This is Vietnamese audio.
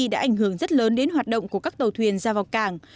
đã ảnh hưởng rất lớn đến hoạt động của các tàu thuyền ra vào cảng